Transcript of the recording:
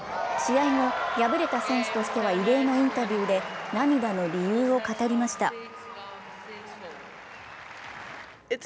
試合後、敗れた選手としては異例のインタビューで涙の理由を語りました。